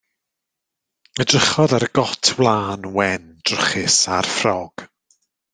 Edrychodd ar y got wlân wen drwchus a'r ffrog.